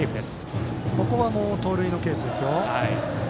ここは盗塁のケースです。